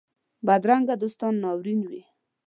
بدرنګه دوستان ناورین وي